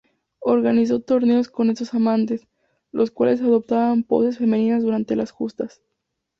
Organizó torneos con estos amantes, los cuales adoptaban poses femeninas durante las justas.